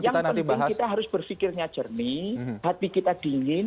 yang penting kita harus berpikirnya jernih hati kita dingin